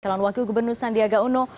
calon wakil gubernur sandiaga uno